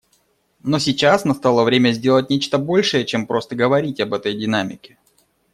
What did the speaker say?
Но сейчас настало время сделать нечто большее, чем просто говорить об этой динамике.